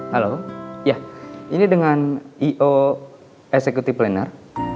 halo ya ini dengan i o executive planner